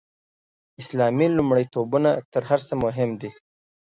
اسلامي لومړیتوبونه تر هر څه مهم دي.